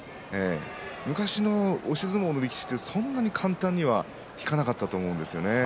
昔の押し相撲の力士ってそんなに簡単には引かなかったと思うんですね。